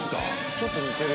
ちょっと似てる。